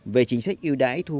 về chính sách ưu đãi